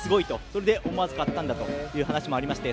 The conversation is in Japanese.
それで思わず買ったんだという話もありまして。